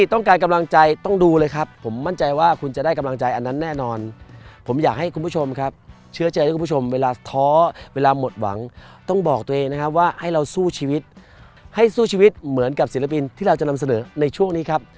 ต้องการกำลังใจต้องดูเลยครับผมมั่นใจว่าคุณจะได้กำลังใจอันนั้นแน่นอนผมอยากให้คุณผู้ชมครับเชื้อใจให้คุณผู้ชมเวลาท้อเวลาหมดหวังต้องบอกตัวเองนะครับว่าให้เราสู้ชีวิตให้สู้ชีวิตเหมือนกับศิลปินที่เราจะนำเสนอในช่วงนี้ครับ